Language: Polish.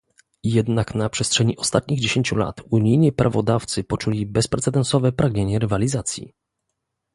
Jednak na przestrzeni ostatnich dziesięciu lat unijni prawodawcy poczuli bezprecedensowe pragnienie rywalizacji